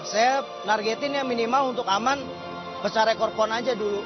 saya targetin ya minimal untuk aman besar rekor pon aja dulu